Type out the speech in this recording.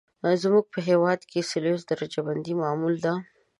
زموږ په هېواد کې سلسیوس درجه بندي معمول ده.